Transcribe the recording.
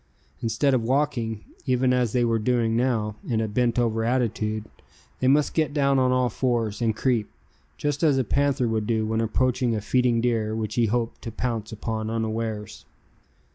Instead of walking, even as they were doing now, in a bent over attitude, they must get down on all fours, and creep, just as a panther would do when approaching a feeding deer which he hoped to pounce upon unawares.